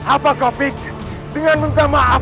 apa kau pikir dengan minta maaf